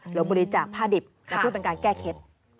หรือบริจาคผ้าดิบแต่เพื่อเป็นการแก้เคล็ด